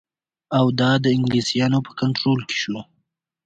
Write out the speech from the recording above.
اَوَد د انګلیسیانو په کنټرول کې شو.